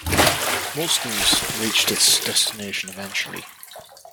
Most news reached its destination eventually.